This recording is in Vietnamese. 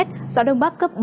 gió đông bắc cấp bốn